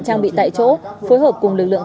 trang bị tại chỗ phối hợp cùng lực lượng